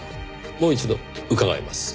もう一度伺います。